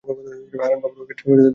হারানবাবুর কাছে তাহা ভালো লাগে নাই।